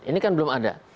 ini kan belum ada